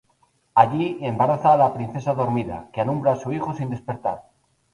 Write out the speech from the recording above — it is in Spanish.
Allí, embaraza a la princesa dormida, que alumbra a su hijo sin despertar.